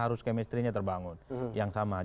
jangan sampai justru memaksakan menggabungkan para pemerintah